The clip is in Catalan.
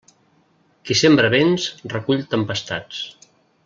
Qui sembra vents, recull tempestats.